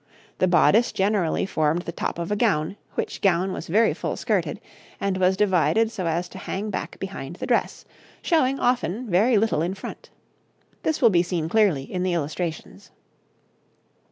The bodice generally formed the top of a gown, which gown was very full skirted, and was divided so as to hang back behind the dress, showing, often, very little in front. This will be seen clearly in the illustrations.